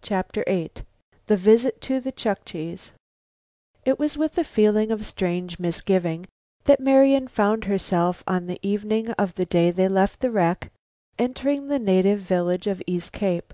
CHAPTER VIII THE VISIT TO THE CHUKCHES It was with a feeling of strange misgiving that Marian found herself on the evening of the day they left the wreck entering the native village of East Cape.